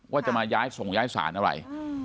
ว่าจะมาย้ายส่งย้ายสารอะไร